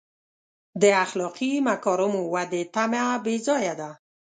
د اخلاقي مکارمو ودې تمه بې ځایه ده.